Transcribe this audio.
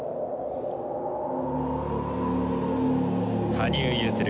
羽生結弦